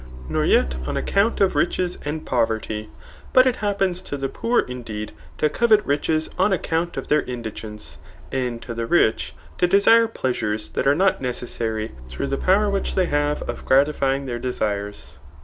Nor yet on account of riches and poverty ; but it happens to the poor indeed, to covet riches on account of their indigence ; and to the rich to desire pleasures that are not necessary, through the power which they have of gratifying their desires.